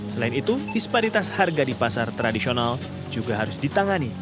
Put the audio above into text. selain itu disparitas harga di pasar tradisional juga harus ditangani